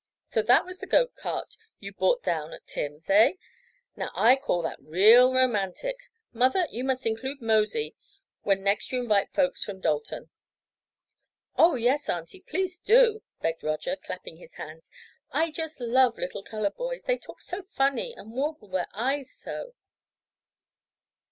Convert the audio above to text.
"So that was the goat cart you bought down at Tim's, eh? Now, I call that real romantic! Mother, you must include Mosey when next you invite folks from Dalton." "Oh, yes, Aunty, please do," begged Roger, clapping his hands. "I just love little colored boys. They talk so funny and warble their eyes so."